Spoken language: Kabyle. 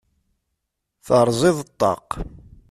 Terẓiḍ ṭṭaq.